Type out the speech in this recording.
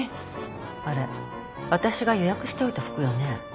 あれ私が予約しておいた服よね？